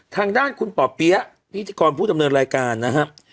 ทางด้านคุณป่อเปี๊ยะพิธีกรผู้ดำเนินรายการนะครับ